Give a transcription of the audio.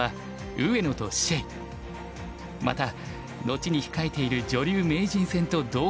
また後に控えている女流名人戦と同